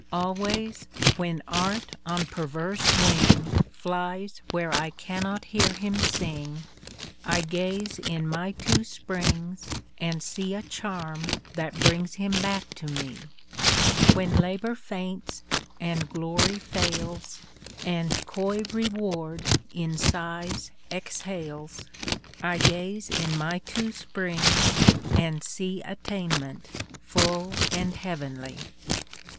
Always, when Art on perverse wing Flies where I cannot hear him sing, I gaze in my two springs and see A charm that brings him back to me. When Labor faints, and Glory fails, And coy Reward in sighs exhales, I gaze in my two springs and see Attainment full and heavenly.